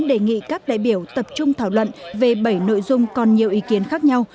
đề nghị các đại biểu tập trung thảo luận về bảy nội dung còn nhiều ý kiến khác nhau